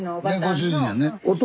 ご主人やね。